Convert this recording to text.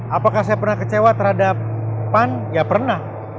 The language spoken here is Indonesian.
apakah saya pernah kecewa terhadap pan ya pernah